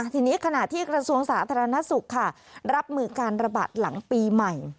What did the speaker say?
ทีนี้ขณะที่กระทรวงสาธารณสุขค่ะรับมือการระบาดหลังปีใหม่